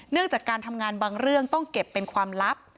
จากการทำงานบางเรื่องต้องเก็บเป็นความลับ